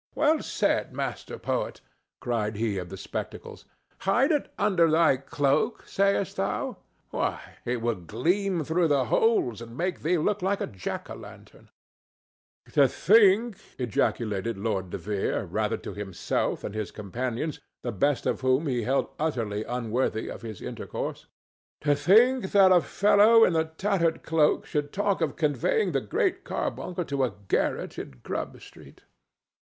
"Well said, Master Poet!" cried he of the spectacles. "Hide it under thy cloak, sayest thou? Why, it will gleam through the holes and make thee look like a jack o' lantern!" "To think," ejaculated the lord De Vere, rather to himself than his companions, the best of whom he held utterly unworthy of his intercourse—"to think that a fellow in a tattered cloak should talk of conveying the Great Carbuncle to a garret in Grubb street!